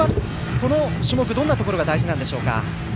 この種目どんなところが大事ですか？